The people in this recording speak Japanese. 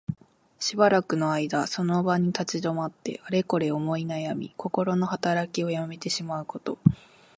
しばらくの間その場に立ち止まって、あれこれ思いなやみ、こころのはたらきをやめてしまうこと。